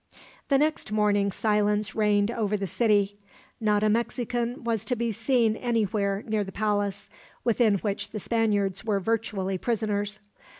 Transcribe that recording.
The next morning silence reigned over the city. Not a Mexican was to be seen anywhere near the palace, within which the Spaniards were virtually prisoners.